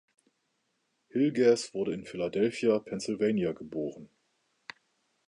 Hillegas wurde in Philadelphia, Pennsylvania, geboren.